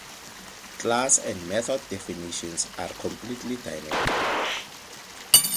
Class and method definitions are completely dynamic.